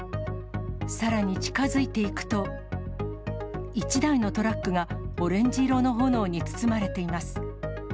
さらに近づいていくと、１台のトラックがオレンジ色の炎に包まれています。